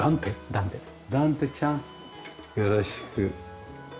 ダンテちゃんよろしく。